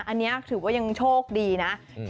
อันนี้ถือว่ายังโชคดีนะ